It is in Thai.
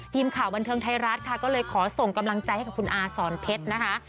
ทีมข่าวบันเทิงไทยรัฐค่ะก็เลยขอส่งกำลังใจให้กับคุณอาสอนเพชรนะคะ